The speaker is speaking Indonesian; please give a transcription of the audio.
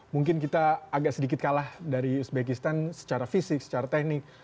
mungkin kita agak sedikit kalah dari uzbekistan secara fisik secara teknik